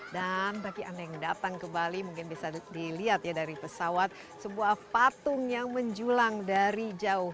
dan bagi anda yang datang ke bali mungkin bisa dilihat dari pesawat sebuah patung yang menjulang dari jauh